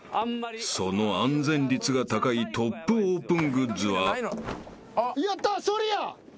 ［その安全率が高いトップオープングッズは］やった。